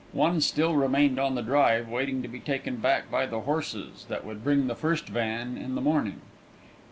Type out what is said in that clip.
One still remained on the drive, waiting to be taken back by the horses that would bring the first van in the morning.